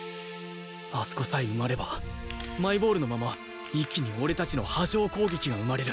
あそこさえ埋まればマイボールのまま一気に俺たちの波状攻撃が生まれる